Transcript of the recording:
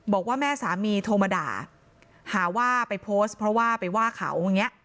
บอกว่าแม่สามีโทรมาด่าหาว่าไปโพสต์เพราะว่าไปว่าเขาอย่างนี้